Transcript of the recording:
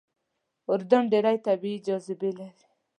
اردن ډېرې طبیعي جاذبې لري.